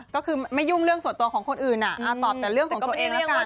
ก็คือไม่ยุ่งเรื่องส่วนตัวของคนอื่นตอบแต่เรื่องของตัวเองแล้วกัน